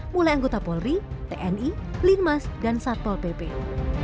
mulai anggota polri tni linmas dan satpol ppu